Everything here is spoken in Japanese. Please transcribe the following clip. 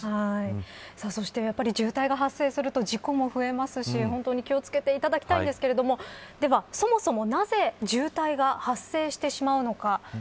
そして渋滞が発生すると事故増えますし本当に気を付けていただきたいんですけれどもでは、そもそもなぜ渋滞が発生してしまうのか。